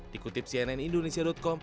dikutip cnn indonesia com